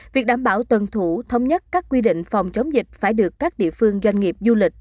việc đảm bảo tuân thủ thống nhất các quy định phòng chống dịch phải được các địa phương doanh nghiệp du lịch